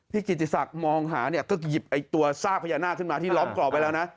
พี่กิจสักธุ์มองหาก็หยิบตัวทราบพญานาคขึ้นมาที่ล้อมกรอบไปแล้วนะ